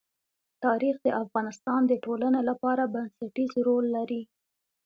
تاریخ د افغانستان د ټولنې لپاره بنسټيز رول لري.